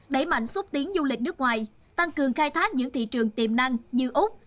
đẩy mạnh xúc tiến du lịch nước ngoài tăng cường khai thác những thị trường tiềm năng như úc